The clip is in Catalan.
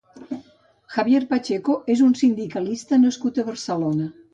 Javier Pacheco és un sindicalista nascut a Barcelona.